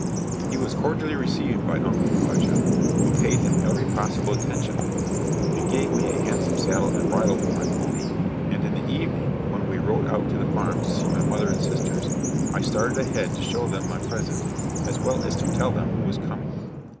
He was cordially received by Uncle Elijah, who paid him every possible attention, and gave me a handsome saddle and bridle for my pony, and in the evening when we rode out to the farm to see my mother and sisters, I started ahead to show them my present, as well as to tell them who was coming.